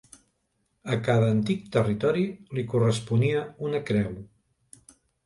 A cada antic territori li corresponia una creu.